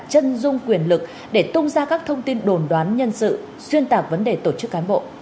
chân dung quyền lực để tung ra các thông tin đồn đoán nhân sự xuyên tạc vấn đề tổ chức cán bộ